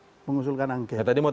yang mengusulkan anget